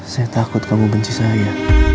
saya takut kamu benci saya